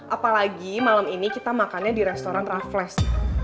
apalagi malam ini kita makannya di restoran raffles